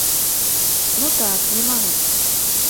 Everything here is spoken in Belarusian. Ну так, не маглі.